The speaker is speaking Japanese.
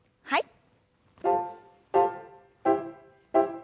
はい。